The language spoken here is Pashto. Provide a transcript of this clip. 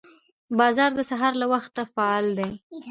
بازار د سهار له وخته فعال وي